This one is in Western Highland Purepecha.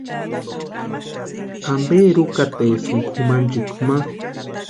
¿Amperi úkataesïni kʼumanchikwa ma?